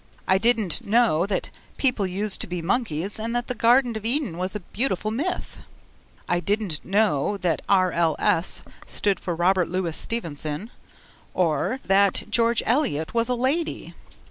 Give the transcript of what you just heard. I didn't know that people used to be monkeys and that the Garden of Eden was a beautiful myth. I didn't know that R. L. S. stood for Robert Louis Stevenson or that George Eliot was a lady.